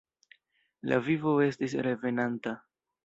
La vivo estis revenanta.